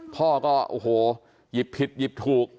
พ่อก็โอ้โหหยิบผิดหยิบถูก